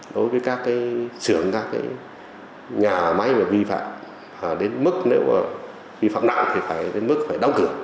đối với các xưởng các nhà máy vi phạm đến mức nếu vi phạm nặng thì phải đến mức phải đóng cửa